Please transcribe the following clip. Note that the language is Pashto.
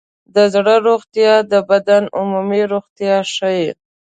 د زړه روغتیا د بدن عمومي روغتیا ښيي.